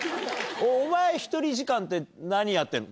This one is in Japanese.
お前１人時間って何やってる？